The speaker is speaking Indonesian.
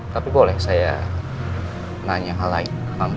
tapi boleh saya nanya hal lain